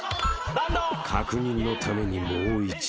［確認のためにもう一度］